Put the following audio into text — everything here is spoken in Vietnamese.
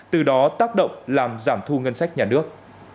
từ đó tác động làm giảm thu ngân sách nhà nước